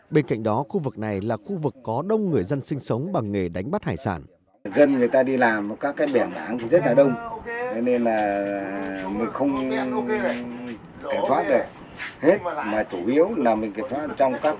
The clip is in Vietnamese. bên cạnh đó khu vực này là khu vực có đông người dân sinh sống bằng nghề đánh bắt hải sản